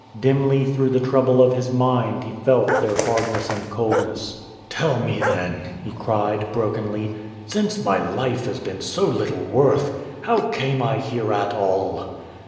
Dimly through the trouble of his mind he felt their hardness and coldness. "Tell me, then," he cried, brokenly, "since my life has been so little worth, how came I here at all?"